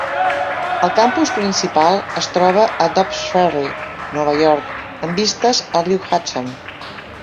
El campus principal es troba a Dobbs Ferry, Nova York, amb vistes al riu Hudson.